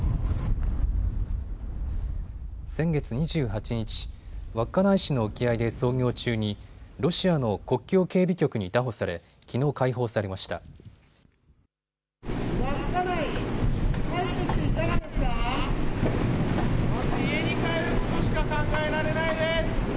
先月２８日、稚内市の沖合で操業中にロシアの国境警備局に拿捕されきのう解放されました。